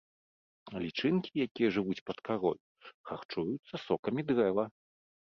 Лічынкі, якія жывуць пад карой, харчуюцца сокамі дрэва.